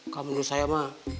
kamu menurut saya mah